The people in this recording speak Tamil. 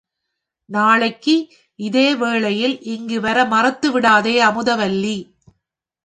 நாளைக்கு இதே வேளையில் இங்குவர மறந்துவிடாதே அமுதவல்லி!